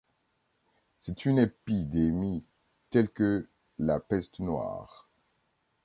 C'est une épidémie, telle que la peste noire.